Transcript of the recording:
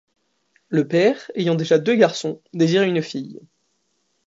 Le père, ayant déjà deux garçons, désirait une fille.